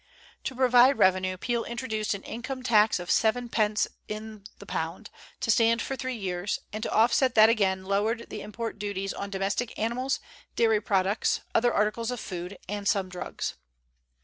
To provide revenue, Peel introduced an income tax of seven pence in the pound, to stand for three years; and to offset that again lowered the import duties on domestic animals, dairy products, other articles of food, and some drugs.